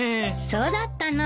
そうだったの。